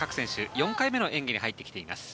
４回目の演技に入ってきています。